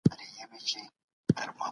ښوونکی ماشومانو ته د فکر کولو لاره ښيي.